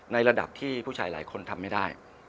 ระดับที่ผู้ชายหลายคนทำไม่ได้